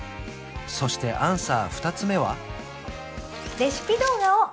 そしてアンサー２つ目は？